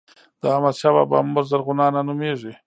د احمدشاه بابا مور زرغونه انا نوميږي.